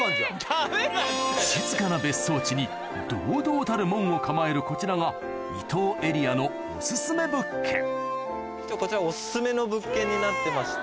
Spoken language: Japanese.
静かな別荘地に堂々たる門を構えるこちらが伊東エリアのこちらオススメの物件になってまして。